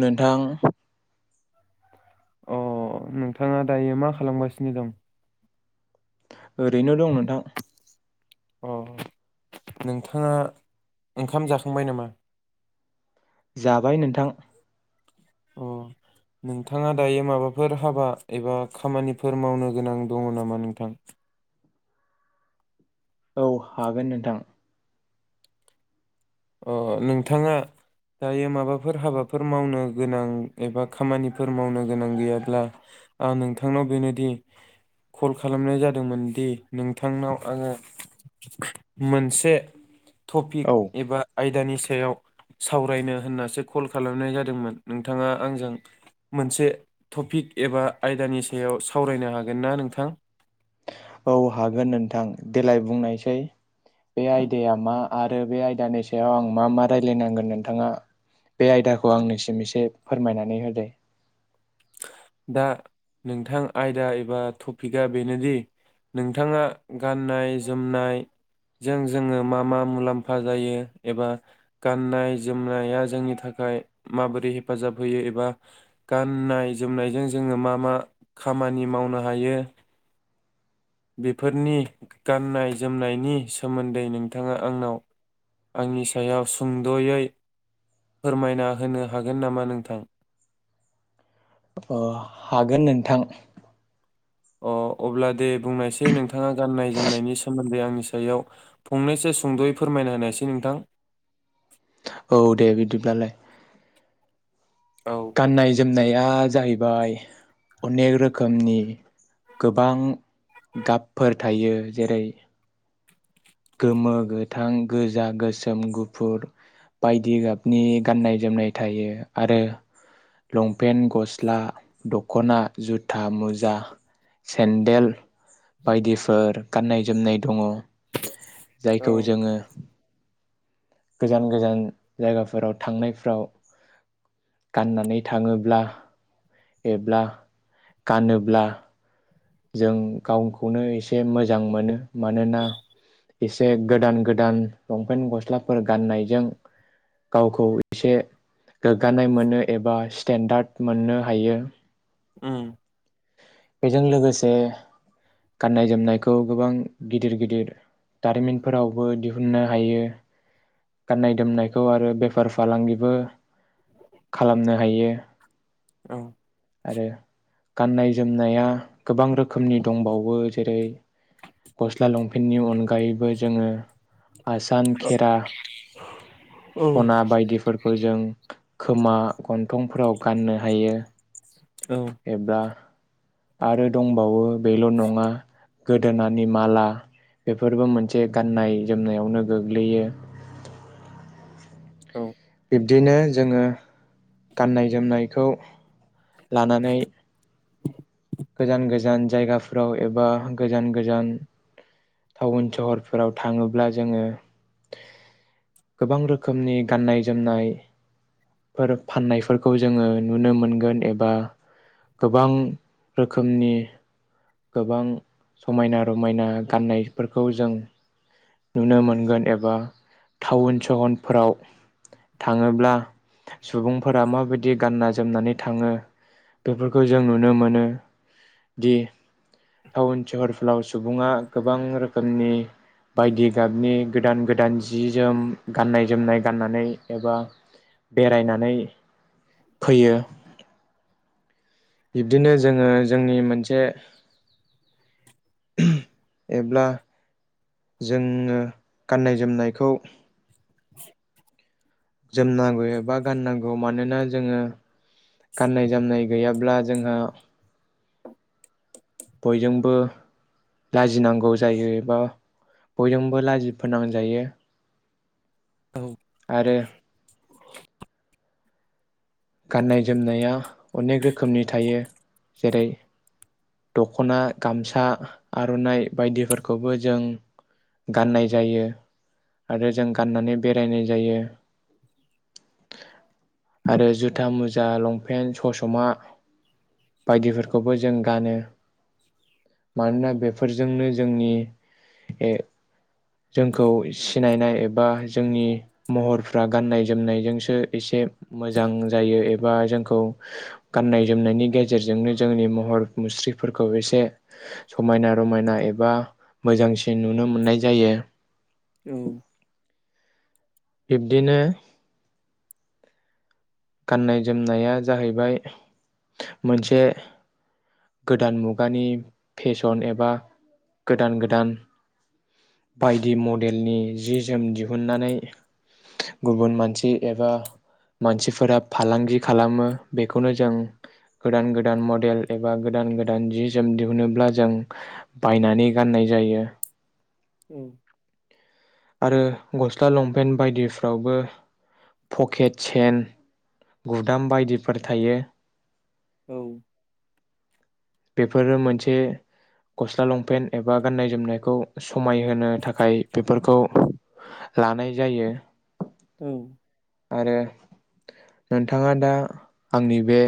नोंथां अ नोंथाङा दायो मा खालामगासिनो दं ओरैनो दं नोंथां अ नोंथाङा ओंखाम जाखांबाय नामा? जाबाय नोंथां अ नोंथाङा दायो माबाफोर हाबा एबा खामानिफोर मावनो गोनां दङ नामा नोंथां? औ हागोन नोंथां अ नोंथाङा दायो माबाफोर हाबाफोर मावनो गोनां एबा खामानिफोर मावनो गोनां गैयाब्ला आं नोंथांनाव बेनोदि कल खालामनाय जादोंमोन दि नोंथांनाव आङो मोनसे टपिक औ एबा आयदानि सायाव सावरायनो होननासो कल खालामनाय जादोंमोन नोंथाङा आंजों मोनसे टपिक एबा आयदानि सायाव सावरायनो हागोन ना नोंथां? औ हागोन नोंथां देलाय बुंनायसै। बे आयदाया मा आरो बे आयदानि सायाव आं मा मा रायज्लायनांगोन नोंथाङा बे आयदाखौ आंनिसिम एसे फोरमायनानै होदो दा नोंथां आयदा एबा टपिकआ बेनोदि नोंथाङा गाननाय जोमनायजों जोङो मा मा मुलाम्फा जायो एबा गाननाय जोमनाया जोंनि थाखाय माबोरै हेफाजाब होयो एबा गाननाय जोमनायजों जोङो मा मा खामानि मावनो हायो बेफोरनि गाननाय जोमनायनि सोमोन्दै नोंथाङा आंनाव आंनि सायाव सुंद'यै फोरमायना होनो हागोन नामा नोंथां अ हागोन नोंथां अ अब्ला दे बुंनायसै नोंथाङा गाननाय जोमनायनि सोमोन्दै आंनि सायाव फंनैसो सुंद'यै फोरमायना होनायसै नोंथां औ दे बिदिब्लालाय औ गाननाय जोम नाया जाहैबाय अनेक रोखोमनि गोबां गाबफोर थायो जेरै गोमो गोथां गोजा गोसोम गुफुर बायदि गाबनि गाननाय जोमनाय थायो आरो लंपेन्ट गस्ला द'खना जुथा मुजा सेन्देल बायदिफोर गाननाय जोमनाय दङ जायखौ जोङो गोजान गोजान जायगाफोराव थांनायफ्राव गाननानै थाङोब्ला एब्ला गानोब्ला जों गावखौनो एसे मोजां मोनो मानोना एसे गोदान गोदान लंपेन्ट गस्लाफोर गाननायजों गावखौ एसे गोग्गानाय मोनो एबा स्टेन्डार्ड मोननो हायो उम बेजों लोगो से गाननाय जोमनायखौ गोबां गिदिर गिदिर दारिमिनफोरावबो दिहुननो हायो गाननाय जोमनायखौ आरो बेफार फालांगिबो खालामनो हायो औ आरो गाननाय जोमनाया गोबां रोखोमनि दंबावो जेरै गस्ला लंपेन्टनि अनगायैबो जोङो आसान खेरा औ सना बायदिफोर फोर जों खोमा गन्थंफोराव गाननो हायो औ एबा आरो दंबावो बेल' नङा गोदोनानि माला बेफोरबो मोनसे गाननाय जोमनायावनो गोग्लैयो औ बिब्दिनो जोङो गाननाय जोमनायखौ लानानै गोजान गोजान जायगाफोराव एबा गोजान गोजान टाउन सहरफोराव थाङोब्ला जोङो गोबां रोखोमनि गाननाय जोमनाय फोर फाननायफोरखौ जोङो नुनो मोनगोन एबा गोबां रोखोमनि गोबां समायना रमायना गाननायफोरखौ जों नुनो मोनगोन एबा टाउन सहरफोराव थाङोब्ला सुबुंफोरा माबाय दि गानना जोमनानै थाङो बेफोरखौ जों नुनो मोनो दि टाउन सहरफ्राव सुबुङा गोबां रोखोमनि बायदि गाबनि गोदान गोदान जि जोम गाननाय जोमनाय गाननानै एबा बेरायनानै फैयो बिब्दिनो जोङो जोंनि मोनसे एब्ला जोङो गाननाय जोमनायखौ [unintelligible] जोमनांगौ एबा गाननांगौ मानोना जोङो गाननाय जोमनाय गैयाब्ला जोंहा बयजोंबो लाजिनांगौ जायो एबा बयजोंबो लाजिफोनांजायो औ आरो गाननाय जोमनाया अनेक रोखोमनि थायो जेरै दख'ना गामसा आर'नाइ बायदिफोरखौबो जों गाननाय जायो आरो जों गाननानै बेरायनाय जायो आरो जुथ था मुजा लंपेन्ट ससमा बायदिफोरखौबो जों गानो मानोना बेफोरजोंनो जोंनि जोंखौ सिनायनाय एबा जोंनि महरफ्रा गाननाय जोमनायजोंसो एसे मोजां जायो एबा जोंखौ गाननाय जोमनायनि गेजेरजोंनो जोंनि महर मुस्रिफोरखौ एसे समायना रमायना एबा मोजांसिन नुनो मोननाय जायो औ बिब्दिनो गाननाय जोमनाया जाहैबाय मोनसे गोदान मुगानि फेशन एबा गोदान गोदान बायदि मडेलनि जि जोम दिहुननानै गुबुन मानसि एबा मानसिफोर फोरा फालांगि खालामो बेखौनो जों गोदान गोदान मडेल एबा गोदान गोदान जि जोम दिहुनोब्ला जों बायनानै गाननाय जायो। ओं। आरो गस्ला लंपेन्ट बायदिफ्रावबो पकेट सेन गुदाम बायदिफोर थायो। औ। बेफोरो मोनसे गस्ला लंपेन्ट एबा गाननाय जोमनायखौ समायहोनो थाखाय बेफोरखौ। लानाय जायो। औ। आरो नोंथाङा दा आंनि बे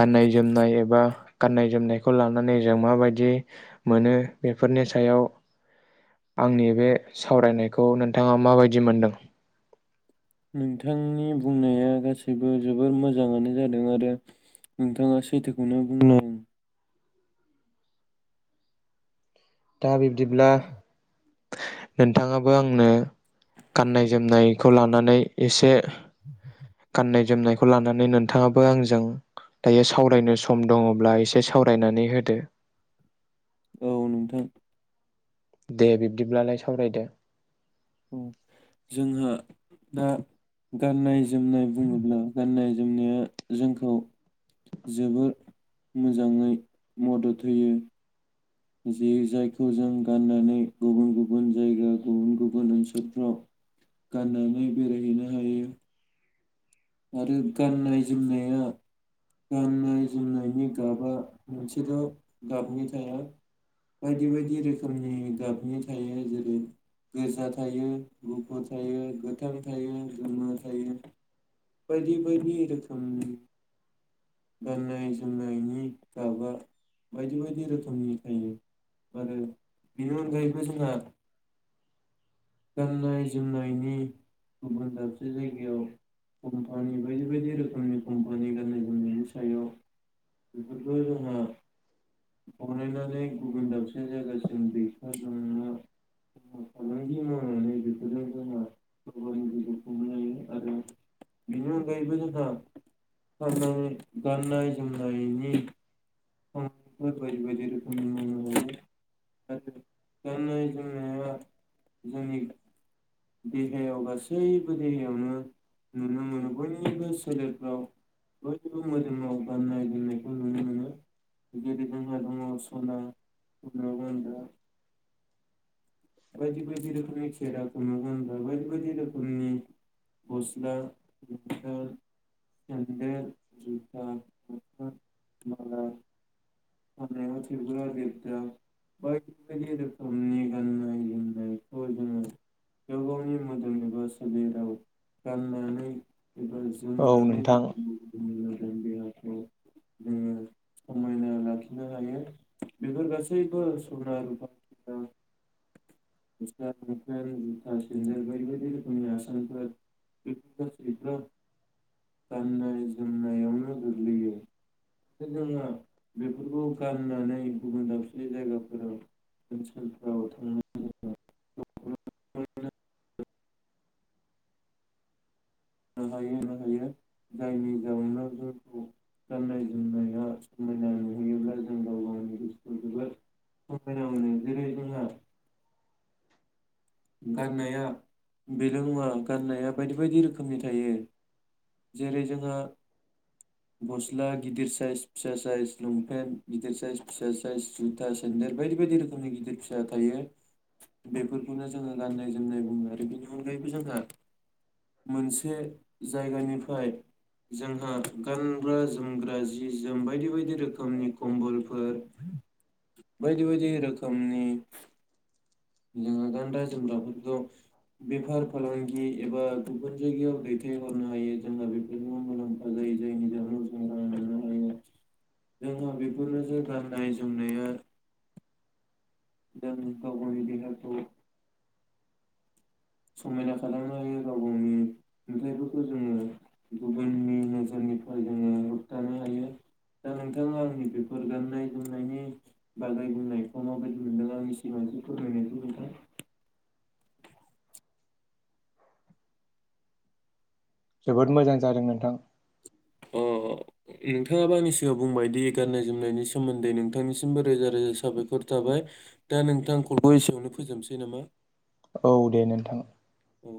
गाननाय जोमनाय एबा। गाननाय जोमनायखौ लानानै जों माबायदि मोनो बेफोरनि सायाव आंनि बे सावरायनायखौ नोंथाङा माबायदि मोनदों। नोंथांनि बुंनाया गासैबो जोबोर मोजाङानो जादों आरो नोंथाङा सैथोखौनो बुंदों। दा बिब्दिब्ला। नोंथाङाबो आंनो गाननाय जोमनायखौ लानानै एसे। [unintelligible] गाननाय जोमनायखौ लानानै नोंथाङाबो आंजों दायो सावरायनो सम दङब्ला एसे सावरायनानै होदो। औ नोंथां। दे बिब्दिब्लालाय सावरायदो। औ जोंहा दा गाननाय जोमनाय बुङोब्ला गाननाय जोमनाया जोंखौ जोबोर मोजाङै मदद होयो। जे जायखौ जों गाननानै गुबुन गुबुन जायगा गुबुन गुबुन ओनसोलफ्राव गाननानै बेरायहैनो हायो। आरो गाननाय जोमनाया गाननाय जोमनायनि गाबा मोनसेल' गाबनि थाया बायदि बायदि रोखोमनि गाबनि थायो जेरै गोजा थायो गुफुर थायो गोथां थायो गोमो थायो। बायदि बायदि रोखोमनि गाननाय जोमनायनि गाबा बायदि बायदि रोखोमनि थायो आरो बेनि अनगायैबो जोंहा। गाननाय जोमनायनि गुबुन दाबसे जायगायाव कम्पानि बायदि बायदि रोखोमनि कम्पानि गाननाय जोमनायनि सायाव बेफोरखौ जोंहा बनायनानै गुबुन दाबसे जायगासिम दैथायहरनो फालांगि माव नानै बेफोरजों जोंहा गाव गावनि जिउखौ खुंनो हायो आरो बेनि अनगायैबो जोंहा [unintelligible] गाननाय जोमनायनि। बायदि बायदि रोखोमनिनो हायो आरो गाननाय जोमनाया जोंनि देहायाव गासैबो देहायावनो नुनो मोनो बयबो सोलेरफ्राव बयबो मोदोमाव गाननाय जोमनायखौ नुनो मोनो। जेरै जोंहा दङ स'ना [unintelligible] बायदि बायदि रोखोमनि खेराखौ नुगोन बेवहाय बायदि बायदि रोखोमनि गस्ला [unintelligible] सेन्देल जुथा आसान माला। खानायाव थेबग्रा लेबग्रा बायदि बायदि रोखोमनि गाननाय जोमनायखौ जोङो गाव गावनि मोदोम एबा सोलेराव गाननानै। एबा औ जोमनानै [unintelligible] नोंथां जों देहाफ्राव जोङो समायना लाखि नो हायो बेफोर गासैबो सना रुफा [unintelligible] लंपेन जुथा सेनदेल बायदि बायदि रोखोमनि आसानफोर बेफोर गासैबो गाननाय जोमनायावनो गोग्लैयो जोङो बे बेफोरखौ गाननानै गुबुन दावसे जायगाफोराव ओनसोलफोराव थांनो। [unintelligible] हायो हायो जायनि जाउनाव जोंखौ गाननाय जोमनाया समायना नुहैयोब्ला जों गाव गावनि गोसोखौ जोबोद समायना मोनो जेरै गाननाया बेल' नङा गाननाया बायदि बायदि रोखोमनि थायो जेरै जोंङो गस्ला गिदिर साइज फिसा साइज लंपेन्ट गिदिर साइज फिसा साइज जुथा सेन्देल बायदि बायदि रोखोमनि गिदिर फिसा थायो बेफोरखौनो जोङो गाननाय जोमनाय बुङो आरो बिनि अनगायैबो जोंहा मोनसे जायगानिफाय जोंहा गानग्रा जोमग्रा जि जोम बायदि बायदि रोखोमनि कम्बलफोर बायदि बायदि रोखोमनि। जोंहा गानग्रा जोमग्राफोरखौ बेफार फालांगि एबा गुबुन जायगायाव दैथायहरनो हायो जोंहा बेफोरजों मुलाम्फा जायो जायनि जाहोनाव जों रां मोननो हायो जोंहा बेफोरनो गाननाय जोमनाया। जों गाव गावनि देहाखौ। समायना खालामनो हायो गाव गावनि नुथायफोरखौ जोङो गुबुननि नोजोरनिफ्राय जोङो होबथानो हायो दा नोंथाङा आंनि बेफोर गाननाय जोमनायनि बागै बुंनायखौ माबायदि मोनदों आंनि सिगां फोरमायनायखौ नोंथां। जोबोद मोजां जादों नोंथां। अ नोंथाङाबो आंनि सिगाङां बुंबायदि गाननाय जोमनायनि सोमोन्दै नोंथांनिसिमबो रोजा रोजा साबायखर थाबाय दा नोंथां कलखौ एसेयावनो फोजोबसै नामा। औ दे नोंथां। औ।